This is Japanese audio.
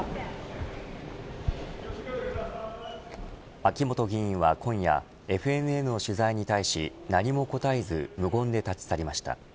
秋本議員は今夜ＦＮＮの取材に対し、何も答えず無言で立ち去りました。